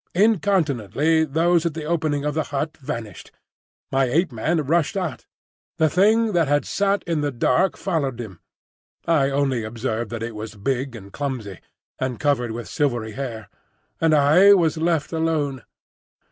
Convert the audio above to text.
Incontinently those at the opening of the hut vanished; my Ape man rushed out; the thing that had sat in the dark followed him (I only observed that it was big and clumsy, and covered with silvery hair), and I was left alone.